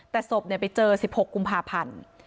แต่ศพไปเจอ๑๖กุมภาพันธ์